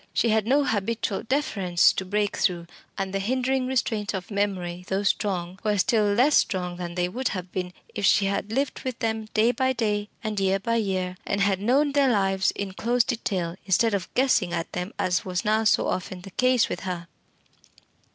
She had no habitual deference to break through, and the hindering restraints of memory, though strong, were still less strong than they would have been if she had lived with them day by day and year by year, and had known their lives in close detail instead of guessing at them, as was now so often the case with her.